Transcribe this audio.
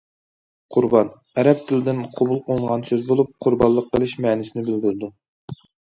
‹‹ قۇربان›› ئەرەب تىلىدىن قوبۇل قىلىنغان سۆز بولۇپ،‹‹ قۇربانلىق قىلىش›› مەنىسىنى بىلدۈرىدۇ.